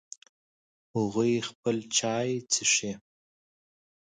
هغوی خپل چای څښي